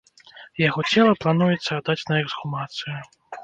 Яго цела плануецца аддаць на эксгумацыю.